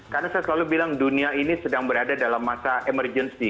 karena saya selalu bilang dunia ini sedang berada dalam masa emergency